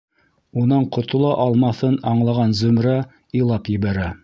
Унан ҡотола алмаҫын аңлаған Зөмрә илап ебәрә.